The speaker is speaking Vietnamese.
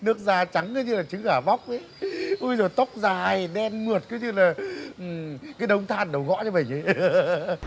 ôi dồi ôi tóc dài đen mượt cứ như là cái đống than đầu gõ cho mình